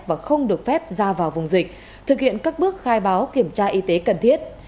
và không được phép ra vào vùng dịch thực hiện các bước khai báo kiểm tra y tế cần thiết